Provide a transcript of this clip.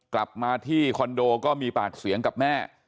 กลับมาที่คอนโดก็มีปากเสียงกับแม่